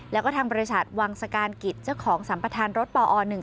แล้วก็ทางบริษัทวังสการกิจเจ้าของสัมประธานรถปอ๑๒